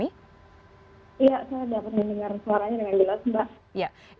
iya saya dapat mendengar suaranya dengan jelas mbak